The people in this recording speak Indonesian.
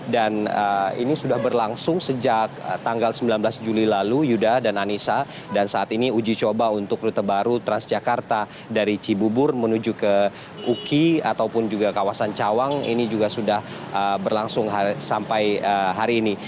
dan ini sudah berlangsung sejak tanggal sembilan belas juli lalu yuda dan anissa dan saat ini uji coba untuk rute baru transjakarta dari cibubur menuju ke uki ataupun juga kawasan cawang ini juga sudah berlangsung sampai hari ini